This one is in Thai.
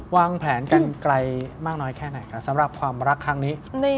วางแผนกันไกลมากน้อยแค่ไหนคะสำหรับความรักครั้งนี้